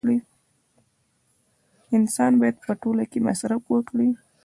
انسان باید په ټوله کې مصرف وکړي